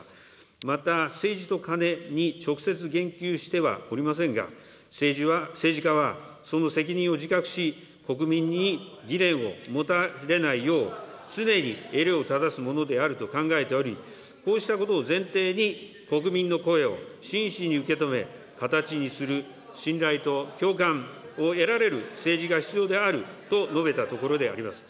また政治とカネに直接言及してはおりませんが、政治家はその責任を自覚し、国民に疑念を持たれないよう、常に襟を正すものであると考えており、こうしたことを前提に、国民の声を真摯に受け止め、形にする信頼と共感を得られる政治が必要であると述べたところであります。